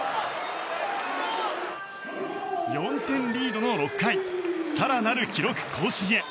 ４点リードの６回更なる記録更新へ。